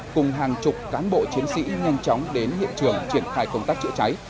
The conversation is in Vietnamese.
cùng hàng chục cán bộ chiến sĩ nhanh chóng đến hiện trường triển khai công tác chữa cháy